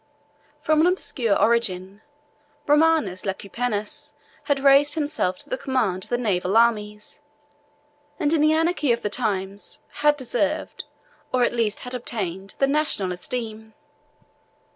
From an obscure origin, Romanus Lecapenus had raised himself to the command of the naval armies; and in the anarchy of the times, had deserved, or at least had obtained, the national esteem.